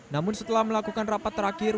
namun setelah melakukan rapat terakhir